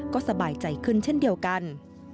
ก็สบายใจขึ้นเช่นเดียวกัน